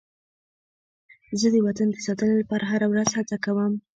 زه د وطن د ساتنې لپاره هره ورځ هڅه کوم.